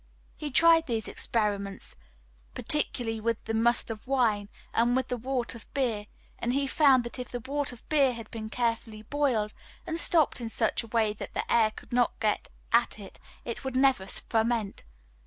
He tried these experiments, particularly with the must of wine and with the wort of beer; and he found that if the wort of beer had been carefully boiled and was stopped in such a way that the air could not get at it, it would never ferment.